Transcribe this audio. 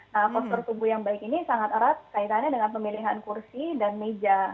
nah postur tubuh yang baik ini sangat erat kaitannya dengan pemilihan kursi dan meja